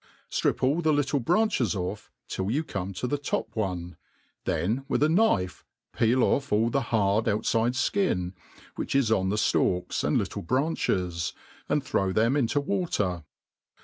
STRIP all the little branches off till you come to the top oncy then with a knife peel off all the hard outfide Mn^ whicb ]g on the ftalks and little branches, and throw them into water.